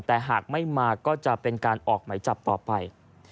แต่หากไม่มาก็จะเป็นการออกไหมจับต่อไป